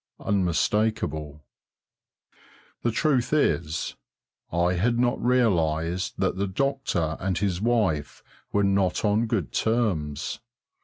Unmistakable. The truth is, I had not realised that the doctor and his wife were not on good terms.